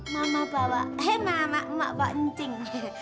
mama bawa eh emak bawa kucing